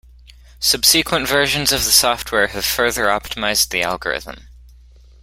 Subsequent versions of the software have further optimized the algorithm.